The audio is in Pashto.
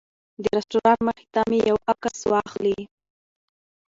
د رسټورانټ مخې ته مې یو عکس واخلي.